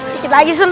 dikit lagi sun